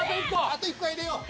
あと１個は入れよう。